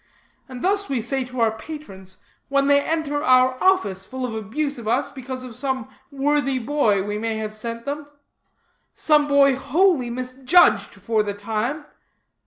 And thus we say to our patrons, when they enter our office full of abuse of us because of some worthy boy we may have sent them some boy wholly misjudged for the time.